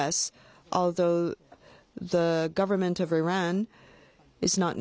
そうなんですね。